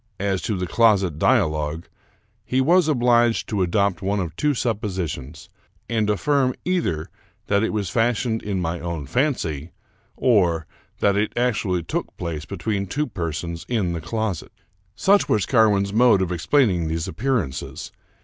As to the closet dia logue, he was obliged to adopt one of two suppositions, and affirm either that it was fashioned in my own fancy, or that it actually took place between two persons in the closet. Such was Carwin's mode of explaining these appearances.